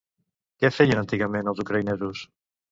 Què feien antigament els ucraïnesos?